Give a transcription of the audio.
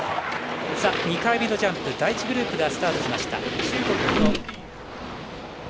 ２回目のジャンプ第１グループがスタートしました。